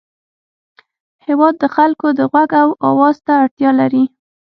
هېواد د خلکو د غوږ او اواز ته اړتیا لري.